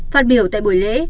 phát biểu tại buổi lễ